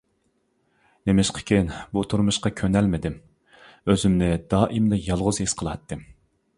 نېمىشقىكىن، بۇ تۇرمۇشقا كۆنەلمىدىم، ئۆزۈمنى دائىملا يالغۇز ھېس قىلاتتىم.